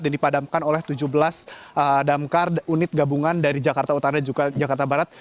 dan dipadamkan oleh tujuh belas damkar unit gabungan dari jakarta utara dan juga jakarta barat